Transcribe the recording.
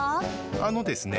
あのですね。